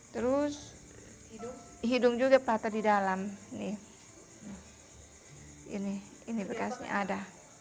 terus hidung juga patah di dalam ini bekasnya ada